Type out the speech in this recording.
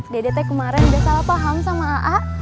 dede tuh kemarin udah salah paham sama a